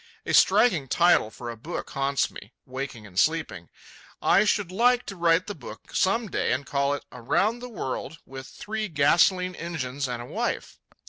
A striking title for a book haunts me, waking and sleeping. I should like to write that book some day and to call it "Around the World with Three Gasolene Engines and a Wife."